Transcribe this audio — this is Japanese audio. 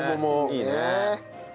いいね。